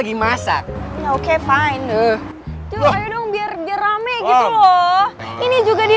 di atas kita punya pendiritaan nih